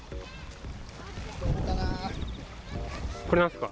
これですか？